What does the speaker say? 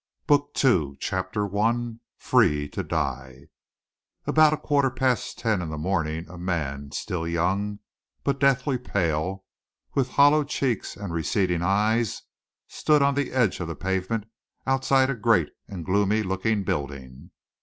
BOOK TWO CHAPTER I FREE TO DIE At about quarter past ten in the morning, a man, still young, but deathly pale, with hollow cheeks and receding eyes, stood on the edge of the pavement outside a great and gloomy looking building.